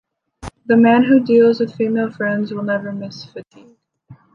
The man who deals with female friends, will never miss fatigue.